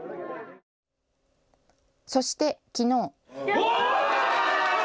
そして、きのう。